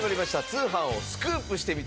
『通販をスクープしてみた！！』。